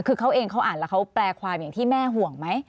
คือเขาเองเขาอ่านแล้วเขาแปลความอย่างที่แม่ห่วงไหม